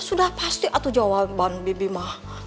sudah pasti itu jawaban bibi ma